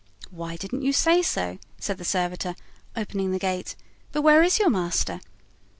"Why didn't you say so?" said the servitor, opening the gate. "But where is your master?"